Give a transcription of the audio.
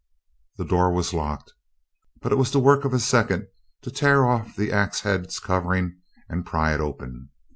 The door was locked, but it was the work of a second to tear off the axe head's covering and pry it open.